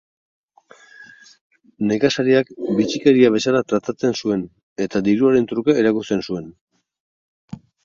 Nekazariak bitxikeria bezala tratatzen zuen eta diruaren truke erakusten zuen.